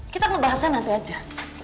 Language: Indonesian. kita ngebahasnya nanti aja